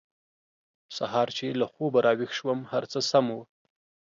سهار چې له خوبه راویښ شوم هر څه سم وو